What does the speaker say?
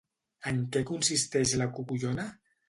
En què consisteix la Cocollona?